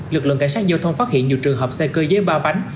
lực lượng cảnh sát giao thông phát hiện nhiều trường hợp xe cơ giới ba bánh